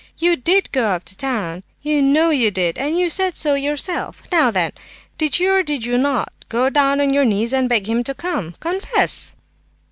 You did go up to town, you know you did—you said so yourself! Now then, did you, or did you not, go down on your knees and beg him to come, confess!"